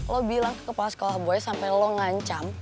lo bilang ke kepala sekolah gue sampai lo ngancam